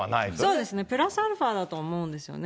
そうですね、プラスアルファだと思うんですよね。